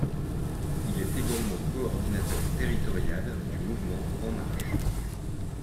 Il est également coordinateur territorial du mouvement En Marche!